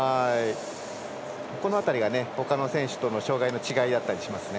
この辺りがほかの選手との障がいの違いだったりしますね。